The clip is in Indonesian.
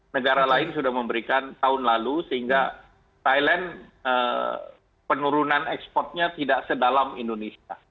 negara lain sudah memberikan tahun lalu sehingga thailand penurunan ekspornya tidak sedalam indonesia